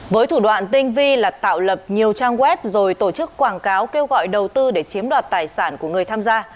với thủ đoạn tinh vi là tạo lập nhiều trang web rồi tổ chức quảng cáo kêu gọi đầu tư để chiếm đoạt tài sản của người tham gia